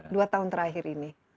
dua tahun terakhir ini